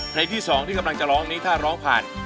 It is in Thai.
เพลงที่๒ที่กำลังจะร้องนี้ถ้าร้องผ่าน